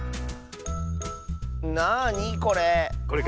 なあにこれ？